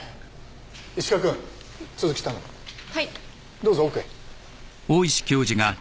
どうぞ奥へ。